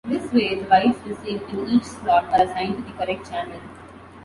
This way, the bytes received in each slot are assigned to the correct channel.